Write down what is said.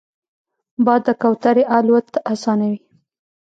باد د کوترې الوت اسانوي